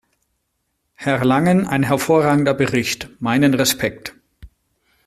Herr Langen, ein hervorragender Bericht, meinen Respekt!